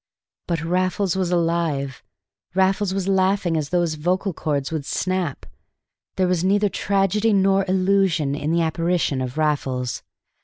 But Raffles was alive, Raffles was laughing as though his vocal cords would snap there was neither tragedy nor illusion in the apparition of Raffles.